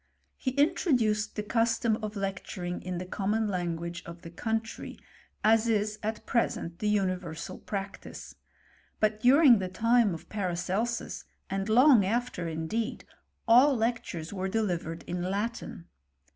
He intro duced the custom of lecturing in the common lan guage of the country, as is at present the universal practice : but during the time of Paracelsus, and long after indeed, all lectures were delivered in I^itin.